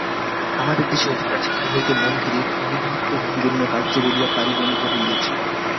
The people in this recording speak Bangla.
আমাদের দেশে অতি প্রাচীনকাল হইতে মন্দিরে পৌরোহিত্য নিন্দনীয় কার্য বলিয়া পরিগণিত হইয়াছে।